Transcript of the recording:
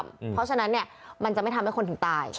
เพราะฉะนั้นมันจะไม่ทำให้คนถึงตาย